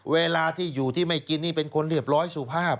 เวลาที่อยู่ที่ไม่กินนี่เป็นคนเรียบร้อยสุภาพ